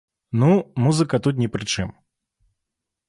Ну, музыка тут ні пры чым.